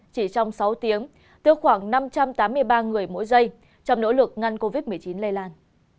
chỉ trong sáu tiếng khoảng năm trăm tám mươi ba người mỗi giây trong nỗ lực ngăn covid một mươi chín lây lan